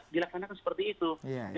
dilaksanakan seperti itu jadi tidak hanya